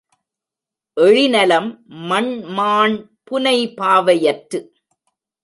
எழினலம் மண்மாண் புனைபாவை யற்று